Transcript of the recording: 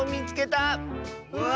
うわ！